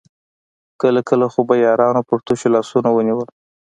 کله کله خو به يارانو پر تشو لاسونو ونيول.